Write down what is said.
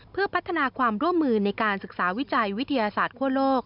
เพื่อพัฒนาความร่วมมือในการศึกษาวิจัยวิทยาศาสตร์คั่วโลก